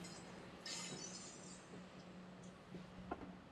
En el Tarot Mítico, por ejemplo, es representada por las Moiras.